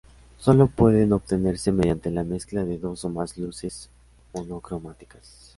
Sólo pueden obtenerse mediante la mezcla de dos o más luces monocromáticas.